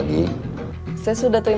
jangan dipanggil deutschen